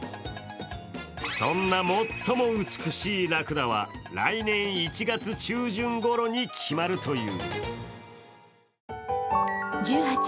そんな最も美しいラクダは来年１月中旬ごろに決まるという。